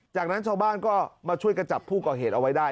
จากนั้นชาวบ้านก็มาช่วยกันจับผู้ก่อเหตุเอาไว้ได้